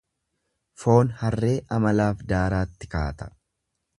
Foon harree amalaaf daaraatti kaata.